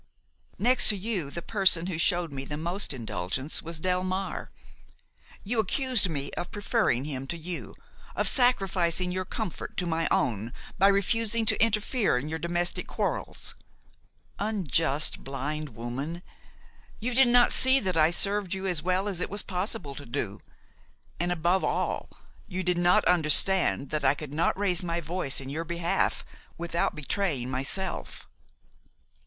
"Next to you the person who showed me the most indulgence was Delmare. You accused me of preferring him to you, of sacrificing your comfort to my own by refusing to interfere in your domestic quarrels. Unjust, blind woman! you did not see that I served you as well as it was possible to do; and, above all, you did not understand that I could not raise my voice in your behalf without betraying myself.